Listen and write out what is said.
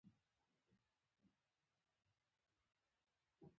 بحث بل ځای کې وشي.